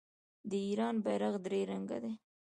د ایران بیرغ درې رنګه دی.